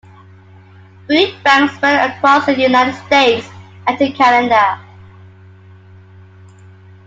Food banks spread across the United States, and to Canada.